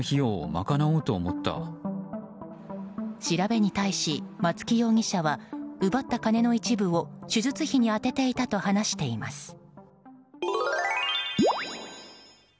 調べに対し松木容疑者は奪った金の一部を手術費に充てていたと話しています。